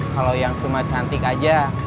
kalau yang cuma cantik aja